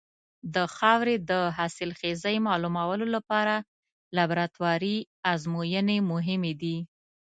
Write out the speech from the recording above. د خاورې د حاصلخېزۍ معلومولو لپاره لابراتواري ازموینې مهمې دي.